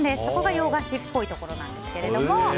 そこが洋菓子っぽいところなんですけれども。